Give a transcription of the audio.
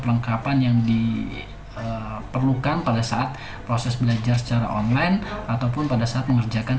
kelengkapan yang diperlukan pada saat proses belajar secara online ataupun pada saat mengerjakan